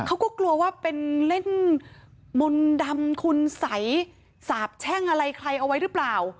เขาก็กลัวว่าเป็นเล่นมนต์ดำคุณสัยสาบแช่งอะไรใครเอาไว้หรือเปล่า